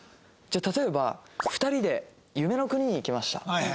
例えば２人で夢の国に行きました。